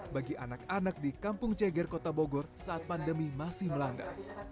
bagi anak anak di kampung ceger kota bogor saat pandemi masih melanda